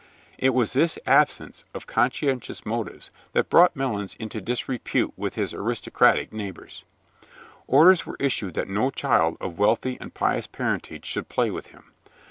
It was this absence of conscientious motives that brought Melons into disrepute with his aristocratic neighbors. Orders were issued that no child of wealthy and pious parentage should play with him.